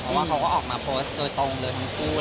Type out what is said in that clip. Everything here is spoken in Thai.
เพราะว่าเขาก็ออกมาโพสต์โดยตรงเลยทั้งคู่